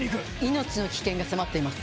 命の危険が迫っています。